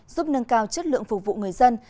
giúp nâng cao chất lượng phục vụ người dân